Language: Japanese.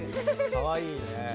かわいいね。